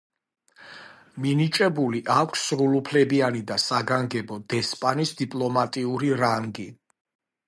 მინიჭებული აქვს სრულუფლებიანი და საგანგებო დესპანის დიპლომატიური რანგი.